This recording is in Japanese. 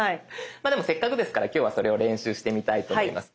まあでもせっかくですから今日はそれを練習してみたいと思います。